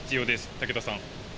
武田さん。